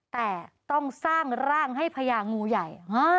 แต่ต้องสร้างร่างให้พญางูใหญ่